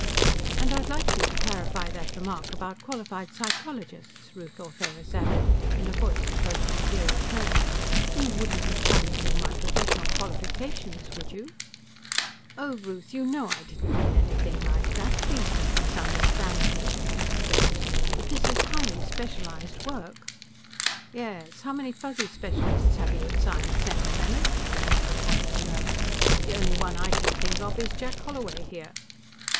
"And I'd like you to clarify that remark about qualified psychologists," Ruth Ortheris added, in a voice approaching zero Kelvin. "You wouldn't be challenging my professional qualifications, would you?" "Oh, Ruth, you know I didn't mean anything like that. Please don't misunderstand me," Kellogg begged. "But this is highly specialized work " "Yes; how many Fuzzy specialists have you at Science Center, Leonard?" Rainsford wanted to know. "The only one I can think of is Jack Holloway, here."